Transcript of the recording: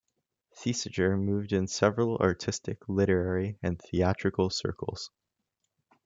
Thesiger moved in several artistic, literary and theatrical circles.